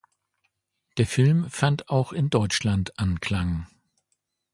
Der Film fand auch in Deutschland Anklang.